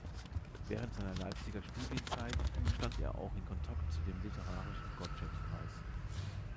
Während seiner Leipziger Studienzeit stand er auch in Kontakt zu dem literarischen Gottsched-Kreis.